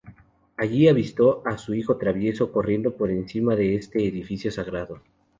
Allí avistó a su hijo travieso corriendo por encima de este edificio sagrado.